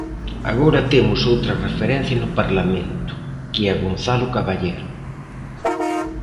Agora temos outra referencia no Parlamento, que é Gonzalo Caballero.